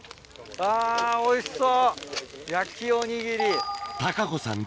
うわおいしそう！